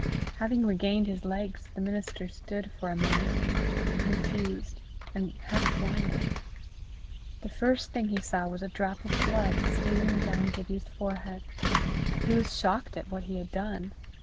Having regained his legs, the minister stood for a moment, confused and half blinded. The first thing he saw was a drop of blood stealing down Gibbie's forehead. He was shocked at what he had done.